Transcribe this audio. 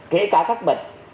kể cả các bệnh